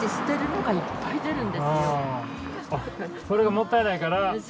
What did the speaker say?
それがもったいないから。